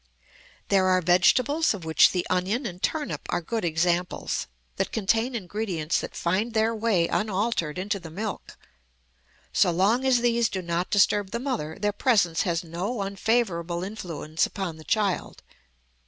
There are vegetables, of which the onion and turnip are good examples, that contain ingredients that find their way unaltered into the milk. So long as these do not disturb the mother their presence has no unfavorable influence upon the child.